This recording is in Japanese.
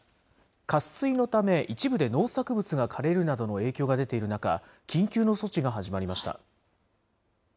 渇水のため、一部で農作物が枯れるなどの影響が出ている中、緊急の措置が始まりました。